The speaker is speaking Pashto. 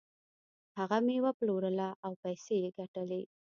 هغه میوه پلورله او پیسې یې ګټلې.